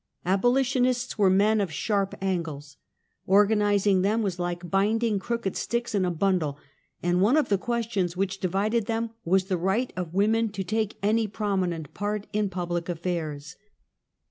Abolitionists were men of sharp angles. Organizing them was like binding crooked sticks in a bundle, and one of the questions which divided them was the right of women to take any prominent part in public affairs.